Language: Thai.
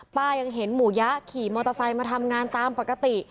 ยังเห็นหมู่ยะขี่มอเตอร์ไซค์มาทำงานตามปกติ